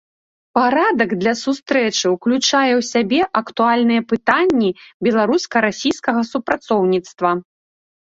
Парадак дня сустрэчы ўключае ў сябе актуальныя пытанні беларуска-расійскага супрацоўніцтва.